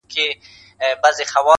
ورک سم په هینداره کي له ځان سره-